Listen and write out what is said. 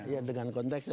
ya dengan konteksnya